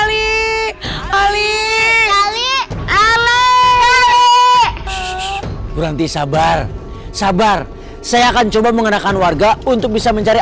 ali ali berhenti sabar sabar saya akan coba mengenakan warga untuk bisa mencari